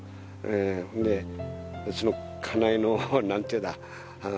ほんでうちの家内の何ていうんだ